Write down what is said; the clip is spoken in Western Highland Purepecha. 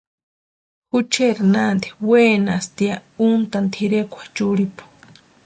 Jucheri nanti wenasti ya untani tʼirekwa churhipu.